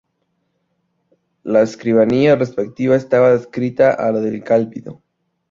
La escribanía respectiva estaba adscrita a la del Cabildo.